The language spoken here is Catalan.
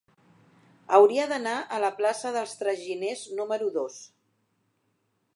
Hauria d'anar a la plaça dels Traginers número dos.